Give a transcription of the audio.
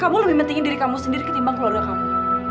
kamu lebih penting diri kamu sendiri ketimbang keluarga kamu